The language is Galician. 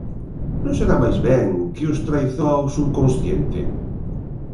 ¿Non será máis ben que os traizoa o subconsciente?